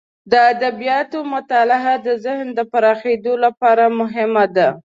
د ادبیاتو مطالعه د ذهن د پراخیدو لپاره مهمه ده.